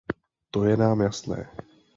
To je nám jasné.